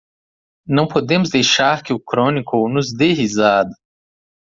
Não podemos deixar que o Chronicle nos dê risada!